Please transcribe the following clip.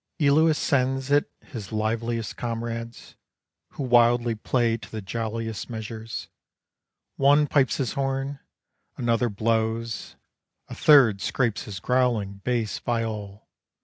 Eolus sends it his liveliest comrades, Who wildly play to the jolliest measures; One pipes his horn, another blows, A third scrapes his growling bass viol.